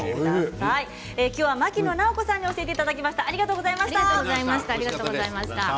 牧野直子さんに教えていただきました。